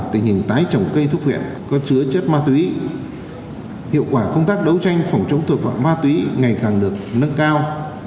tình hình tái trồng cây thuốc huyện có chứa chất ma túy hiệu quả công tác đấu tranh phòng chống tội phạm ma túy ngày càng được nâng cao